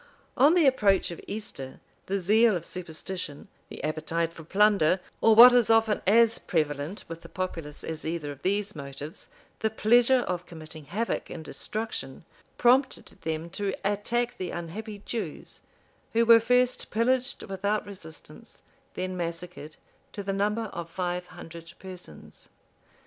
On the approach of Easter, the zeal of superstition, the appetite for plunder, or what is often as prevalent with the populace as either of these motives, the pleasure of committing havoc and destruction, prompted them to attack the unhappy Jews, who were first pillaged without resistance, then massacred, to the number of five hundred persons.